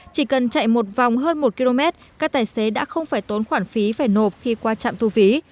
chỉ cần chạy một vòng hơn một km các tài xế đã không phải tốn khoản phí phải nộp khi qua trạm thu phí